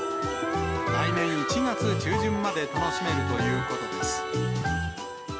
来年１月中旬まで楽しめるということです。